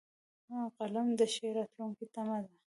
قلم د ښې راتلونکې تمه ده